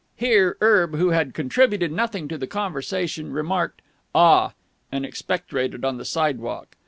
Here Erb, who had contributed nothing to the conversation, remarked "Ah!" and expectorated on the sidewalk.